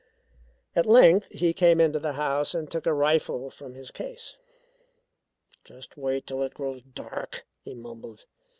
At length he came into the house, and took a rifle from his case. "Just wait till it grows dark," he mumbled.